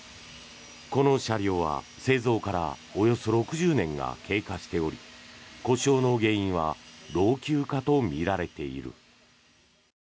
この車両は製造からおよそ６０年が経過しており故障の原因は老朽化とみられている。